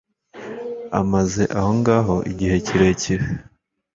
amaze ahongaho igihe kirekire